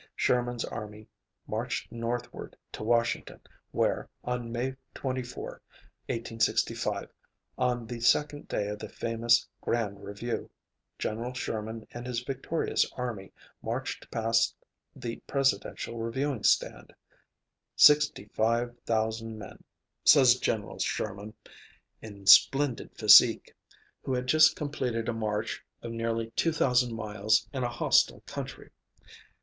Sherman's army marched northward to Washington, where, on May 24, 1865, on the second day of the famous Grand Review, General Sherman and his victorious army marched past the presidential reviewing stand "sixty five thousand men," says General Sherman, "in splendid physique, who had just completed a march of nearly two thousand miles in a hostile country."